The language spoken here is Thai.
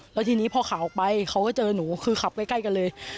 แล้วทีนี้พอข่าวออกไปเขาก็เจอหนูคือขับใกล้กันเลย